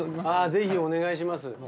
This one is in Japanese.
ああぜひお願いします。